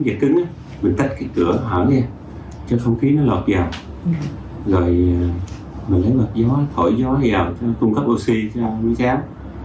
rồi mình lấy mặt gió thổi gió vào cung cấp oxy cho mấy cháu